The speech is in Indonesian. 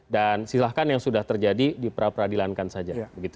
dan silahkan yang sudah terjadi diperadilankan saja